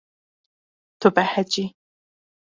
Tu behecî.